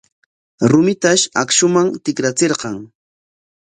Rumitash akshuman tikrachirqan.